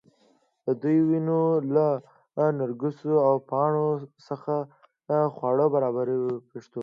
دوی د ونو له نغوړګیو او پاڼو څخه خواړه برابروي په پښتو کې.